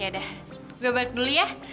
yaudah gue balik dulu ya